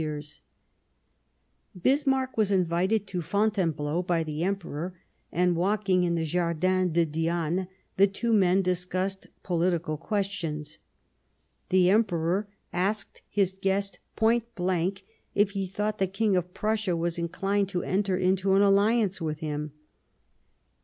54 The First Passage of Arms Bismarck was invited to Fontainebleau by the Emperor, and, walking in the Jardin de Diane, the two men discussed pohtical questions. The Em peror asked his guest point blank if he thought the King of Prussia was inclined to enter into an alliance with him.